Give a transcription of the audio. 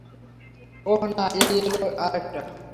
ওহ, না, এই এলো আর একটা!